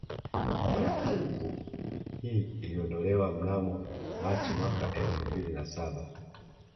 Marufuku hii iliondolewa mnamo Machi mwaka elfu mbili na Saba